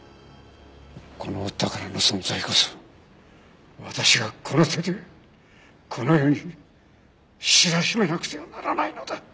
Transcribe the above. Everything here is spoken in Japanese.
この宝の存在こそ私がこの手でこの世に知らしめなくてはならないのだ。